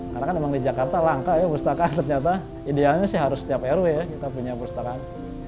karena kan memang di jakarta langka ya perpustakaan ternyata idealnya sih harus setiap rw ya kita punya perpustakaan